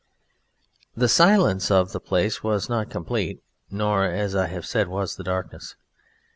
The silence of the place was not complete nor, as I have said, was the darkness.